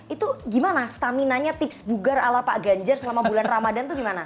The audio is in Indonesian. itu gimana stamina nya tips bugar ala pak ganjar selama bulan ramadhan tuh gimana